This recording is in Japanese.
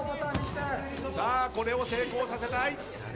これを成功させたい。